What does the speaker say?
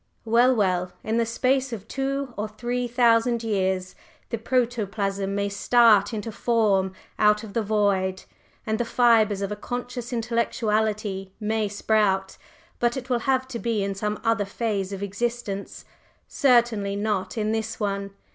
Well, well! in the space of two or three thousand years, the protoplasm may start into form out of the void, and the fibres of a conscious Intellectuality may sprout, but it will have to be in some other phase of existence certainly not in this one.